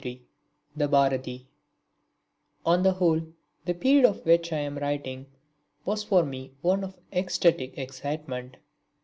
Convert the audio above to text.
(23) The Bharati On the whole the period of which I am writing was for me one of ecstatic excitement.